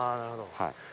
はい。